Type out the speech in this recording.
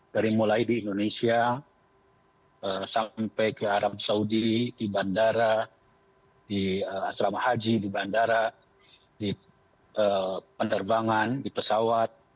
dari mulai di indonesia sampai ke arab saudi di bandara di asrama haji di bandara di penerbangan di pesawat